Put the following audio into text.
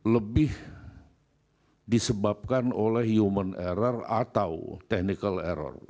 lebih disebabkan oleh human error atau technical error